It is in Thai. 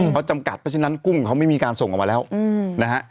เขาจำกัดเพราะฉะนั้นกุ้งเขาไม่มีการส่งออกมาแล้วนะฮะ